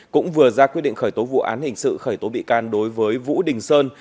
cũng vừa ra quyết định khởi tố vụ án hình sự khởi tố bị can đối với vũ đình sơn